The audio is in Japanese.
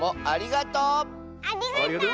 ありがとう！